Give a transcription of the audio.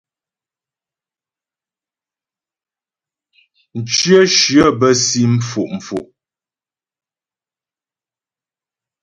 Mcyə shyə bə́ si mfo'fo'.